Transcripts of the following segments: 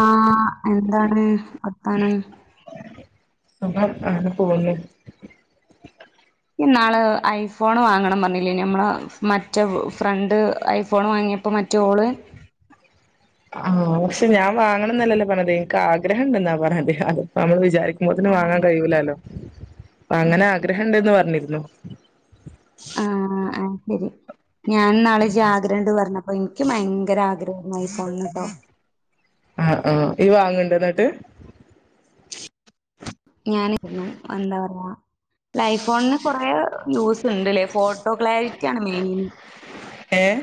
ആഹ് എന്താണ് വത്താനം സുഖം അങ്ങന പോവ്ന്ന് ഇയ് ന്നാള് ഐ ഫോൺ വാങ്ങണം പറഞ്ഞില്ലേ നമ്മള് മറ്റേ ഫ്രണ്ട് ഐ ഫോൺ വാങ്ങി അപ്പോ മറ്റേ ഓള് ആഹ് പക്ഷെ ഞാ വാങ്ങണം ന്നല്ലല്ലോ പറഞ്ഞത് എനിക്ക് ആഗ്രഹം ഇണ്ട്ന്നാ പറഞ്ഞത് അത് നമ്മൾ വിചാരി ക്ക്ബോത്തിന് വാങ്ങാകഴിയൂല്ലല്ലോ അങ്ങനെ ആഗ്രഹം ഇണ്ട്ന്ന് പറഞ്ര്ന്നു ആഹ് ആത് ശരി ഞാൻ ഇന്നാൾ ഇജ് ആഗ്രഹണ്ട് പറഞ്ഞപ്പോ ഇന്ക്കും ഭയങ്കര ആഗ്രഹേ ര്ന്നു ഐ ഫോൺട്ടോ ആഹ് ആഹ് ഇയ്യ് വാങ്ണ്ടോ ന്ന്ട്ട് ഞാൻ രുന്നു എന്താ പറയാ ല്ല ഐ ഫോണ്ന് കൊറേ യൂസ് ഇണ്ട്ല്ലേ ഫോ ഇപ്പോ ക്ലാരിറ്റിയാണ് മെയിൻ ഏഹ്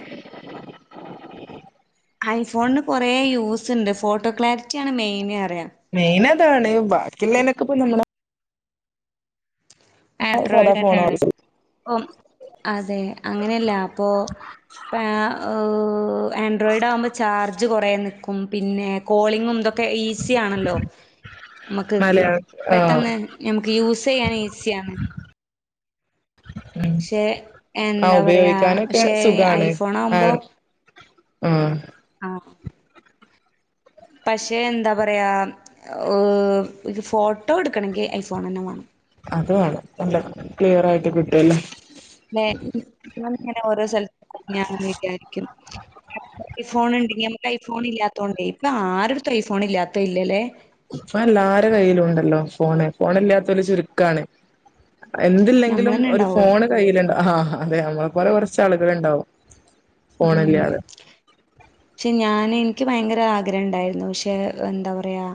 ഐഫോണ്ന് കൊറേ യൂസ് ഇണ്ട് ഫോട്ടോ ക്ലാരിറ്റിയാ ണ് മെയിൻ പറയാ മെയിൻ അതാണ് ബാക്കിളേളനൊക്കെ പ്പ നമ്മള സാധാ ആൻഡ്രോയിഡ ഫോണാ ന്നേണ് ഉം അതെ അങ്ങനെയല്ല അപ്പൊ പ ആൻഡ്രോയിഡ് ആവുമ്പോ ചാർജ് കൊറേ നിക്കും പിന്നെ കോളിങ്ങും ഇതൊക്കെ ഈസി ആണല്ലോ മ്മക്ക് മലയാളം ആഹ് പെട്ടെന്ന് ഞമക്ക് യൂസയ്യാൻ ഈ സ്സാണ് ഉം പക്ഷെ ആഹ് എന്താ പറയാ ഉപയോഗിക്കാനൊക്കെ പക്ഷേ സുഖാണ് ഐഫോൺ ആവുമ്പോ ആഹ് ആഹ് ആഹ്‌ പക്ഷേ എന്താ പറയാ ഒരു ഫോട്ടോ ഇട്ക്കണങ്കിൽ ഐഫോണന്നെ വേണം അത് വാണം നല്ല ക്ലിയർ ആയിട്ട് കിട്ടല്ലോ ലേ ഞാൻ ഇങ്ങനെ ഓരോ സ ല് ഞാ വിചാരിക്കും ഐഫോൺ ഇണ്ടങ്കി നമുക്ക് ഐഫോൺ ഇല്ലാത്തോണ്ടെയ് ഇപ്പൊ ആരട്ത്തും ഐഫോൺ ഇല്ലാത്തത് ഇല്ലലെ ഇപ്പൊ എല്ലാര കയ്യിലുണ്ടല്ലോ ഫോണ് ഫോൺ ഇല്ലാതോർ ചുരുക്കാണ്. എന്തില്ലെങ്കിലും ഞമ്മളന്നെ ഒരു ഇണ്ടാവൊള്ളൂ. ഫോൺ. കയ്യിലുണ്ടാവും ഹ ഹ അതെ നമ്മളെ പോലെ കൊറച്ച് ആളുകളുണ്ടാവും ഉം. ഫോണില്ലാതെ പക്ഷെ ഞാന് നിക്ക് ഭയങ്കര ആഗ്രഹണ്ടായിരുന്നു പക്ഷേ എന്താ പറയാ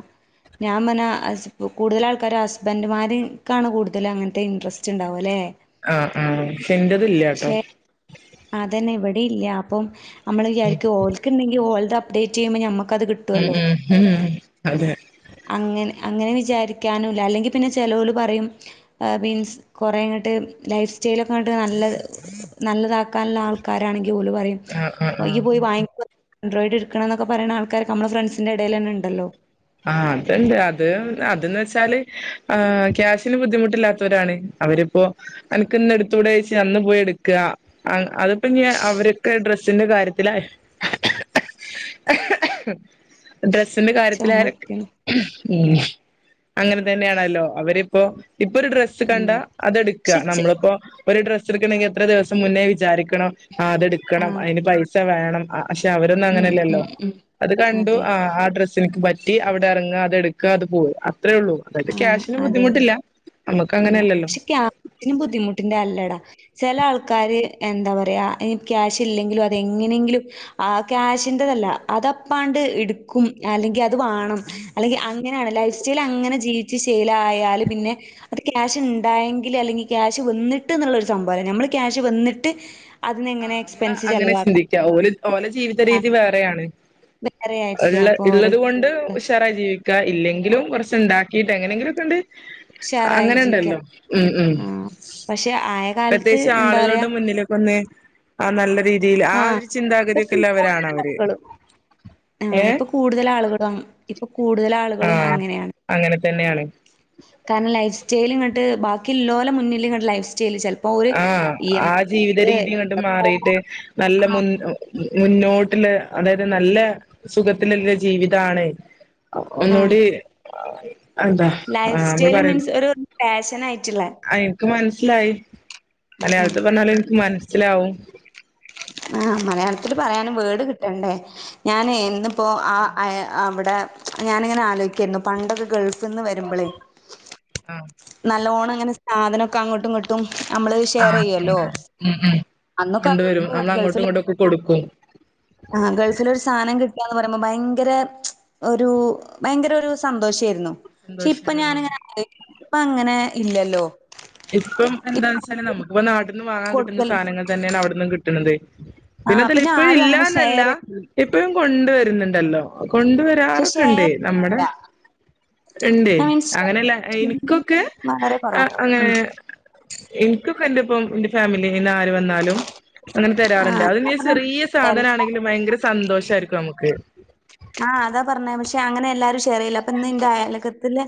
ഞാൻ പറഞ്ഞ കൂടുതൽ ആൾക്കാര് ഹസ്ബൻഡുമാര്ക്കാണ് കൂടുതല് അങ്ങനത്തെ ഇൻടറസ്റ്റ് ഉണ്ടാവ ല്ലെ ആഹ ആഹ പക്ഷെ ഇൻ്റെത് ല്യാട്ടൊ അതന്നെ ഇവിടില്യ അപ്പം നമ്മള് വിചാരിക്കും ഓൽക്ക്ണ്ടെങ്കിൽ ഓൽത് അപ്ഡേറ്റ് ചെയ്യുമ്പം നമ്മുക്കത് കി ഉം ഉം ഉംഉം അതെ അങ്ങനെ അങ്ങനെ വിചാരിക്കാനൂല്ല അല്ലെങ്കി പിന്നെ ചെലോല് പറയും അ മിൻസ് കുറേങ്ങട്ട് ലൈഫ്സ്റ്റൈലൊക്കെ ഇങ്ങട്ട് നല്ലത് നല്ലതാക്ക ക്കാൻള്ള ആൾക്കാരാണെങ്കി ഓല് പറയും ആ ആ ആ വ ഇയ്യ് പോയി വാങ്ങിക്കെ ആൻഡ്രോയിഡ് ഇട്ക്കണംന്നൊക്കെ പറിണ ആൾക്കാരൊക്കെ നമ്മളെ ഫ്രണ്ട്സിന്റെ എടേലെന്നെണ്ടല്ലൊ ആഹ അത്ണ്ട് അത് അതന്ന് വെച്ചാല് ആ ക്യാഷിന് ബുദ്ധിമുട്ടില്ലാത്തവരാണ് അവരിപ്പോ അനക്ക്ന്ന്ടുത്തുകൂടെയച് അന്ന് പോയിട്ക്ക ആ അതിപ്പഞ്ഞ് അവരൊക്കെ ഡ്രസ്സിന്റെ കാര്യത്തില [inaudible] ഡ്രസ്സിൻ്റെ കാ ര്യ ലാരൊക്കെ ചുമയ്ക്കണ് അങ്ങനെ തന്നെയാണല്ലോ അവരിപ്പോ ഇപ്പൊ ഒരു ഡ്രസ് ഡ്രസ്സ് കണ്ട ഉം അതെട്ക്ക പക്ഷെ ചെ നമ്മളിപ്പൊ ഒരു ഡ്രസ്സ് എട്ക്കണെങ്കിൽ എത്ര ദിവസം മുന്നേ വിചാരിക്കണം ആ അതെടുക്കണം ആഹ് അയിന് പൈസ വേണം അ പക്ഷെ അവരൊന്നും ഉം അങ്ങനെല്ലല്ലോ ഉം ഉം അത് കണ്ടു അതെ ആ ആ ഡ്രസ്സ്ൻക് പ- റ്റി അവിടെറങ്ങാ അതെടുക്ക അത് പോവ അത്രേ ഉള്ളൂ അതായത് ആഹ് ക്യാഷിനും അതെ അതെ ബുദ്ധിമുട്ടില്ല നമ്മക്ക് അങ്ങനെയല്ലല്ലോ ഇതിന് ബുദ്ധിമുട്ടിന്റെല്ലടാ ചെല ആൾക്കാര് എന്താ പറയാ ക്യാഷ് ഇല്ലെങ്കിലും അതെങ്ങനെങ്കിലും ആഹ ക്യാഷിന്റെതല്ല അതപ്പാണ്ട് ഇട്ക്കും അല്ലെങ്കി അത് വാണം അല്ലെങ്കി അങ്ങനെയാണ് ലൈഫ് സ്റ്റൈല് അങ്ങനെ ജീവിച്ച് ശീലായാല് പിന്നെ അത് ക്യാഷ്ണ്ടായെങ്കില് അല്ലെങ്കിൽ ക്യാഷ് വന്നിട്ട്ന്നുള്ളരു സംഭവല്ല നമ്മള് ക്യാഷ് വന്നിട്ട് അതിനെങ്ങനെ ആഹ നമ്മള് എക്സ്പെൻസ് അങ്ങനെ ചെലവാക്കണം. ചിന്തിക്ക്യാവൂ ഓല് ഓലെ ജീവിത രീതി വേറെയാണ് വേറെ ആയിരിക്കും. ഇള്ള അപ്പൊ ഓരോ ഇള്ളത് കൊണ്ട് ഉഷാറായി ജീവിക്ക ഇല്ലെങ്കിലും കൊറച്ച് ഇണ്ടാക്കിയിട്ട് എങ്ങനെങ്കിലൊക്കാണ്ട് ഉഷാറായി ജീവിക്കാം. അങ്ങനെണ്ടല്ലോ ഉം ഉം ആഹ് പക്ഷെ ആയ കാലത്ത് പ്രത്യേച്ചും എന്താ പറയാ ആളുകളുടെ മുന്നിലൊക്കൊന്ന് ആഹ നല്ല രീതിയില് ആ ആഹ് ഒരു ഇപ്പൊ ചിന്താഗതിക്കള്ളവരാണവര് കൂടുതലാളുകളും ആഹ് ഏ ഇപ്പൊ കൂടുതൽ ആളുകളും ഇപ്പൊ കൂടുതൽ ആളുകളും ആഹ അങ്ങനെയാണ് അങ്ങനെ തന്നെയാണ് കാരണം ലൈഫ് സ്റ്റൈല്ങ്ങട്ട് ബാക്കിള്ളോലെ മുന്നില് ഇങ്ങട്ട് ലൈഫ് സ്റ്റൈല ചെൽ ആഹ ആ ജീവിത രീതിങ്ങട്ട് മാറീട്ട് നല്ല ആഹ് മുൻ മുന്നോട്ടില്ല അതായത് നല്ല സുഖത്തിലില്ല ജീവിതാണ് ആഹ് ഒന്നൂടി ആ ഹി ലൈഫ് സ്റ്റൈല് മീൻസ് ഒരു ഫാഷൻ ആയിട്ട്ള്ളേ ൻക്ക് മനസ്സിലായി ഉം മലയാളത്ത് പറഞ്ഞാലും ൻക്ക് മനസ്സിലാവും ആഹ മലയാളത്തില് പറയാനും വേഡ് കിട്ടണ്ടേ ഞാനെ എന്നും പ്പോ ആ അയ അവടെ ഞാനിങ്ങനെ ആലോയിക്കായിരുന്നു പണ്ടൊക്കെ ഗൾഫ്ന്ന് വരുമ്പളേ ആഹ നല്ലോണങ്ങനെ സാധനൊക്കെ അങ്ങട്ടുംങ്ങട്ടും ട്ടും നമ്മള് ആ ഷെയറെയ്യല്ലോ കൊണ്ട ഉം ഉം അന്നൊക്ക കൊണ്ടുവരും നമ്മൾ അങ്ങോട്ടും ഗൾഫില് ഇങ്ങോട്ടും ഒക്കെ കൊടുക്കും ആഹ ഗൾഫിലൊര് സാനം കിട്ടാന്ന പറിമ്പം ഭയങ്കര ഒരു ഭയങ്കര ഒരു സന്തോഷേയിരുന്നു സന്തോഷാണ് ആഹ ഇപ്പ അങ്ങനെ ഇല്ലല്ലോ ഇപ്പം ഇപ്പ എന്താണ്ന്ന്ച്ചാല് നമ്മക്കിപ്പ നാട്ട്ന്ന് വാങ്ങാൻ കിട്ട്ണ കൊടുക്കൽ സാനങ്ങൾ തന്നെയാണ് അവിടന്നും കിട്ട്ണത് ആ പിന്നെതല്ല പിന്നെ ഇപ്പഴും ആരും അങ്ങനെ ഇല്ലന്നല്ല ഷെയർ ചെയ്യില്ല. ഇപ്പഴും കൊണ്ടുവരുന്നുണ്ടല്ലോ കൊണ്ടുവ പ പക്ഷെ ആാരൊക്കെ ഉണ്ടേ ഷെയർ നമ്മുടെ ഇല്ല. ഉണ്ട്േ ഞാൻ മീൻസ് അങ്ങനെയല്ല എനിക്കൊക്കെ മ അങ്ങനെ എനിക്കൊക്കെ എന്റെ ഇപ്പം എന്റെ ഫാമിലി നിെ ആര് വന്നാലും അങ്ങനെ ആ തരാറുണ്ട് ഞാൻ അത്ാ പറഞ്ഞെ ചെറിയ സാധനം എല്ലാ ആണെങ്കിലും ഭയങ്കര സന്തോഷമായിരിക്കും നമുക്ക് ആഹ് അതാ പറഞ്ഞ പക്ഷെ അങ്ങനെ എല്ലാരും െയർയില്ല അപ്പൊ ഇന്ന് ഇന്റെ അയലക്കത്തില്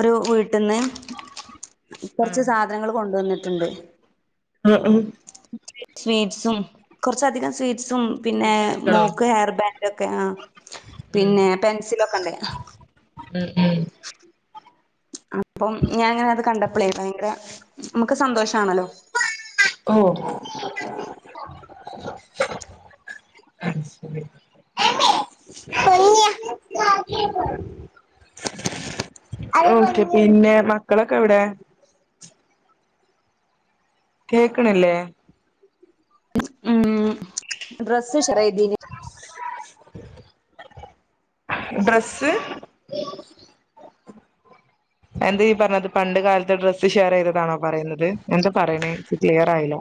ഒരു വീട്ടിൽന്ന് കൊറച്ച് സാധനങ്ങള് കൊണ്ടുവന്നിട്ടുണ്ട് ആഹ ആ സ്വീറ്റ്സും കുറച്ചധികം സ്വീറ്റ്സും പിന്നെ മിഠായികളോ മോക്ക് ഹെയർ ബാൻഡ ഒക്കെ ആ ഉം പിന്നെ പെൻസിലൊക്കെ ഉണ്ട് ഉം ഉം അപ്പം ഞാൻ അങ്ങനെ അത് കണ്ടപ്പോളേല്ല ഭയങ്കര നമുക്ക് സന്തോഷാണല്ലോ ഓ സിക്‌സിവ്വ്വ് ഫ്ഗ്ഗ് ഫ്‌ഡ്സ് [unintelligible] അ ഓക്കെ പിന്നെ മക്കളൊക്കെ എവിടെ കേക്ക് ണില്ലേ ഉം ഡ്രസ്സ ഷെയറയ്തിന് വവഭഹുഹ് ഡ്രസ്സ് എന്ത ഈ പറഞ്ഞത് പണ്ട് കാലത്തെ ഡ്രസ്സ് ഷെയർ ചെയ്തതാണോ പറയുന്നത് എന്താ പറയണേത് ക്ലിയർ ആയില്ല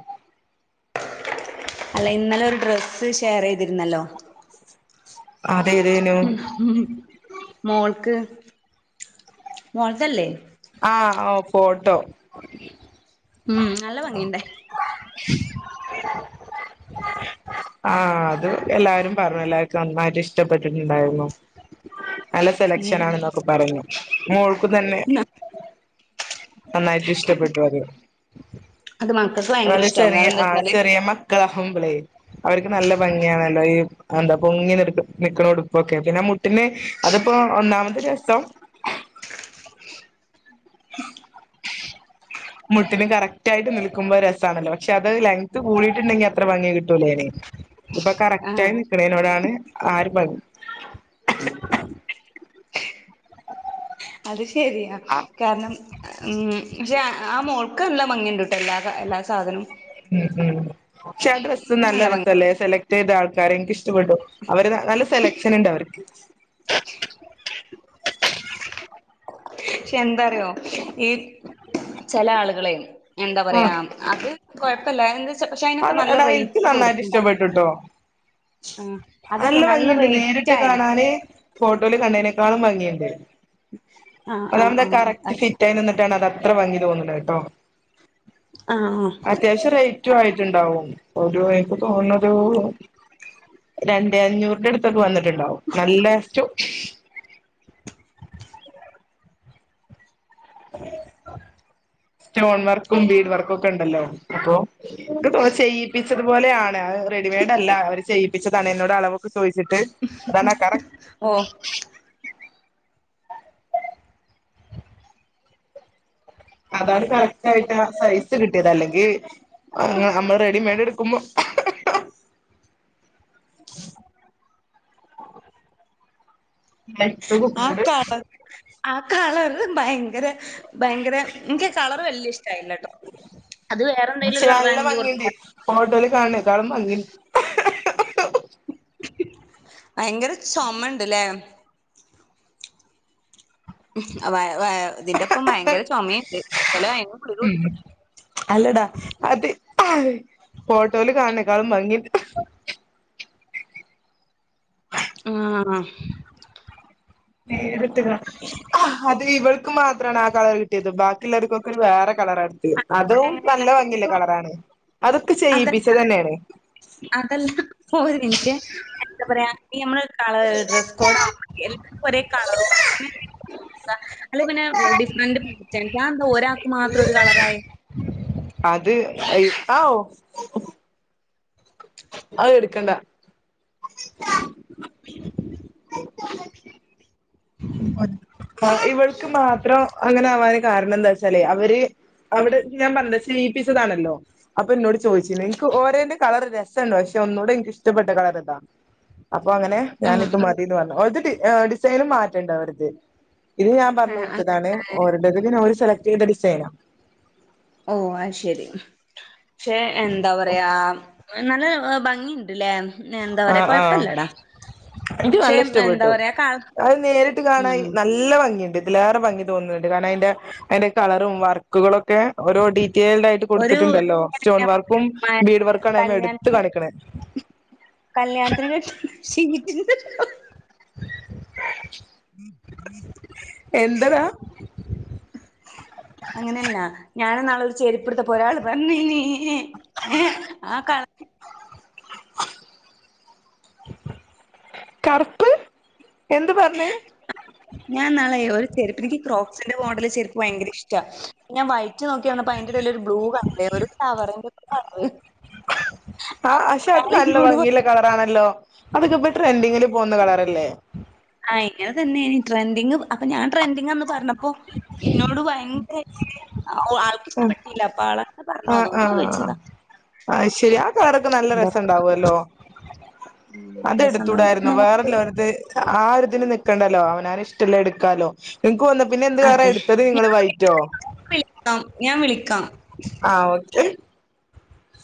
അല്ല ഇന്നലെ ഒരു ഡ്രസ്സ് ഷെയർ യ്തിരുന്നല്ലോ അതെ ഏതേനു ഉ മോൾക് മോളതല്ലെ ആഹ ഓഫോട്ടോ ഉം നല്ല ഭംഗിയണ്ടേ സിക്‌സിസിസിക് ആഹ അത് എല്ലാരും പറഞ്ഞു എല്ലാവർക്കും നന്നായിട്ട് ഇഷ്ടപ്പെട്ടിട്ടുണ്ടായിരുന്നു നല്ല സെലക്ഷൻ ഉം ആണെന്നൊക്കെ പറഞ്ഞു മോൾക്കും തന്നെ നന്നായിട്ട് ഇഷ്ടപ്പെട്ടു അത് അത് മക്കൾക്ക് ഭയങ്കര അത് ഇഷ്ടാവും ചെറിയ കാരണം എന്താ ആ വെച്ചാല് ചെറിയ മക്കളാകുമ്പളേ അവർക്ക് നല്ല ഭംഗിയണല്ലോ ഈ എന്താ പൊങ്ങി നി നിക്കണ ഉടുപ്പൊക്കെ പിന്നെ മുട്ടിന്അതിപ്പോ ഒന്നാമത്തെ രസം വ്വ്വ്വ്ക്സ് മുട്ടിന് കറക്റ്റ്ായിയിട്ട് നിൽക്ക്പോ രസമാണല്ലോ പക്ഷെ അത് ലെങ്ത്ത് കൂടിയിട്ടുണ്ടെങ്കി അത്ര ഭംഗി കിട്ടൂല്ലേ അന ഇപ്പൊ കറക്റ്റ് ആഹ് ആയി നക്കണതിനോടാണ് ആരും ഭംഗി അത് ശരിയാ കാരണം ഉ പക്ഷെ ആ മോൾ ഒക്ക നല്ല മംഗിണ്ട്ട്ടോ എല്ലാ എല്ലാ സാധനും ഉം ഉം പക്ഷെ ആ ഡ്രസ്സ് നല്ല രെസല്ലേ സെലക്ട് ചെയ്ത ആൾക്കാരെ ഇന്ക് ഇഷ് ടപ്പെട്ട് അവര് നല്ല സെലക്ഷന്ണ്ട് അവർക്ക് ജ്ജ്ക്ക് പക്ഷെ എന്താറിയോ ഈ ചില ആളുകളേയ് എന്താ ആ പറയാ അത് കൊഴപ്പല്ലാ പക്ഷെ അതിനൊക്കെ അത് നല്ല എടാ എനിക്ക് റേറ്റ് നന്നായിട്ട് കൊടുക്ക്‌ണ്ടല്ലോ ഇഷ്ടപ്പെട്ടുട്ടോ ആഹ് അതൊക്കെ നല്ല റേറ്റ് ആയണ് ഫോട്ടോയിൽ കണ്ടേനേക്കാളും ഭംഗിയുണ്ട് ണ്ണി അതാവുമ്പോ കറക്റ്റ് ഫിറ്റ് ആയി നിന്നിട്ടാണ് അത ത്ര ഭംഗിതോന്ന്ണഹ് ട്ടോ ആഹ് അത്യാവശ്യം റേ റ്റുആയിട്ടുണ്ടാവും ഒരു എനിക്ക് തോന്ന്ണത് രണ്ടേ അഞ്ഞൂറിന്റെടുത്തൊക്കെ വന്നിട്ടുണ്ടാവും നല്ല സ്റ്റോ സ്റ്റോൺ വർക്കും ന്റീട് വർക്കും ഒക്കെണ്ടല്ലോ അപ്പൊ ക്ക് തോന്ന് ചെയ്യിപ്പിച്ചതു പോലെയാണ് അത് റെഡിമെയ്ഡ് അല്ല അവര് ചെയ്യി പ്പിച്ചതാണ് എന്നോട് അളവൊക്കെ ചോയിച്ചിട്ട് അതാണക്കാരം ആഹ് അതാണ് കറക്റ്റ് ആയിട്ട് ആ സൈസ് കിട്ടിയത് അല്ലെങ്കി നമ്മള് റെഡിമെയഡ് ഇട്ക്കുമ്പോ [unintelligible] ഏറ്റവും ആ കൂട് കളറ് ആ കളറ് ഭയങ്കരെ ഭയങ്കര ഇൻക്ക് കളറ് വല്യെ ഇഷ്ടായില്ലട്ടോ അത് വേറെ എന്തെലും ഒരു കളറാണെങ്കിൽ കൊറച്ചൂടെ ഫോട്ടോല് കാണേക്കാളും ഭംഗി ഇണ്ട് ഭയങ്കര ചൊമണ്ട്ല്ലേ വ വ ഇതിന്റെപ്പം ഭയങ്കര ചൊമിണ്ട് ഇന്നലെ വൈകുന്നേരം ഗുളിക കുടി ഉം അല്ലടാ അത് ഫോട്ടോല് കാണ് ണേക്കാളും ഭംഗിഇണ്ട് ആഹ്. നേരിട്ട് കാണാൻ ശരിക്കും അത് ഇവൾക്ക് മാത്രണ് ആ കളർ കിട്ടിയത് ബാ ക്കിള്ളോർക്കൊക്കെ ഒരു വേറെ കളറാ ഇട്ത്തിരിന്ന് അതും അങ്ങനെയല്ല നല്ല ഭംഗില്ല ഇപ്പം കളറാണ് അതൊക്കെ ചെയ്യിപ്പി അതല്ല പ്പിച്ചതെന്നേണ് അതല്ല പോ ഏണിറ്റ് എന്താ പറയാ ഈ നമ്മള് കളറ് ഡ്രസ്സ്കോഡാആവുമ്പക്ക്‌ എല്ല ഒരേ കളറോ അങ്ങനെ എന്തെങ്കിലും അല്ലെ പിന്നെ ഡിഫറന്റ് [unintelligible] അത് എന്താ ഒരാക്ക് മാത്രം ഒരു കളറായെ അത് ആഓ അയ് ഇട്ക്കണ്ട [unintelligible] ഇവൾക്ക് മാത്രം അങ്ങനെ ആവാന് കാരണം എന്താച്ചാലേ അവര് അവട് ഞാൻ പറഞ്ഞല്ലോ ചെയ്യിപ്പിച്ചതാണല്ലോ അപ്പൊ ഇന്നോട് ചോയ്ച്ചീനി ഇൻക്ക് ഓരേന്റെ കളർ രസണ്ട് പക്ഷെ ഒന്നൂടെ ഇൻക്ക് ഇഷ്ടപ്പെട്ട കളറ് ഇതാ അപ്പൊ അങ്ങനെ ഉം ഞാനിത് മതിന്ന് പറഞ്ഞു ഒരു ഡി ഡിസൈനും മാറ്റണ്ട് അവരത് ഇത് ഞാൻ പറഞ്ഞ ഏഹ് കൊടുത്തതാണ് അങ്ങനെ ഓരുടേത് പിന്നെ ഓര് സെലക്ട് ചെയ്ത ഡിസൈനാ ഓ അയ് ശെരി പക്ഷെ എന്താ പറയാ നല്ല ഭംഗിയി ണ്ട്ലെ എന്താ പറയാ ആഹ് ആഹ് കൊയപ്പല്ലടാ എനിക്ക് നല്ല ഇഷ്ടപ്പെട്ടു അത് നേരിട്ട് കാണായി ഉം നല്ല ഭംഗിണ്ട് തിലേറെ ഭംഗി തോന്ന്ന്ന്ണ്ട് കാരണം അയിന്റെ അയ്ന്റെ കളറും വർക്കുകളൊക്കെ ഓരോ ഡീറ്റെയിൽഡ് ആയിട്ട് ഒരു കൊടുത്തിട്ടുണ്ടല്ലോ സ്റ്റോൺ വർക്കും മഴ ബീഡ് വർക്കുംആണ് അയ്മ്മേ എടുത്ത് കാണിക്കണേ കല്യാണത്തിനൊക്കെ ഷി [unintelligible] എന്തഡാ അങ്ങനെയല്ല ഞാനിന്നാള് ചെരിപ്പെടുത്തെപോ ഒരാള് വന്ന്‌ നീ എ ഏ ആ കാണ [unintelligible] കറുപ്പ് എന്ത് പറഞ്ഞേ ഞാൻ നാൾ ഒരു ചെരുപ്പ്നിക്ക് ക്രോപ്പ്സിന്റെ മോഡല് ചെരുപ്പ് എനിക്ക് ഭയങ്കര ഇഷ്ട ഞാൻ വ വൈറ്റ് നോക്കിയപ്പോ അതിന്റെ ഇടൽ ഒരു ബ്ലൂ കണ്ട് ഒരു ഫ്ലവറിന്റെ കളറ് ആ പക്ഷെ അത് നല്ല [unintelligible] ഭംഗിയുള്ള കളറാണല്ലോ അതൊക്കെഇപ്പൊ ട്രെൻഡിങ്ങില് പോകുന്ന കളറല്ലേ ആ ഇങ്ങനെ തന്നെയ ട്രെൻഡിങ് അപ്പൊ ഞാൻ ട്രെൻഡിങ്ന്ന് പറഞ്ഞപ്പോ ഇന്നോട് ഭയങ്കര ഒ ആൾക്ക് ഇഷ്ടപ്പെട്ടില്ല അപ്പൊ ആളെന്നെ പറഞ്ഞു അതുകൊണ്ട് ചോദിച്ചതാ അഹ് ശരി ആ കളറൊക്കെ നല്ല രസം ഉണ്ടാവല്ലോ അത് ഉം രസണ്ടാവും എടുത്തൂടായിരുന്നോ നോക്ക് വേറെല്ലോർത് ആ ഒരു ഇതിന് നിൽക്കണ്ടല്ലോ അവനാന് ഇഷ്ടളേ എടുക്കാലോ ഇനിക്ക് തോന്നുന്നേ പിന്നെ എന്ത് കളറാ അതെ എടുത്തത് നിങ്ങള് ഞാൻ വൈറ്റോ വിളിക്കാം ഞാൻ വിളിക്കാം ആഹ് ഓക്കെ